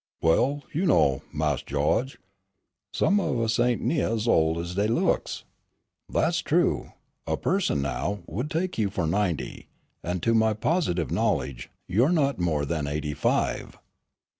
"Well, you know, Mawse Gawge, some o' us ain' nigh ez ol' ez dey looks." "That's true. A person, now, would take you for ninety, and to my positive knowledge, you're not more than eighty five."